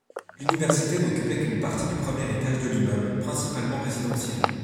L'université n'occupait qu'une partie du premier étage de l'immeuble, principalement résidentiel.